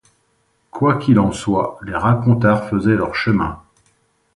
Quoi qu'il en soit, les racontars faisaient leur chemin.